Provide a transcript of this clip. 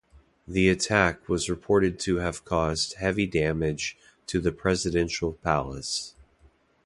The attack was reported to have caused heavy damage to the presidential palace.